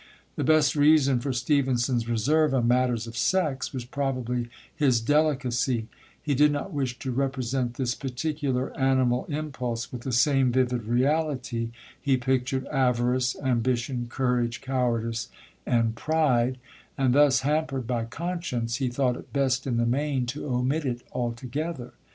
The best reason for Stevenson's reserve on matters of sex was probably his delicacy; he did not wish to represent this particular animal impulse with the same vivid reality he pictured avarice, ambition, courage, cowardice, and pride; and thus hampered by conscience, he thought it best in the main to omit it altogether.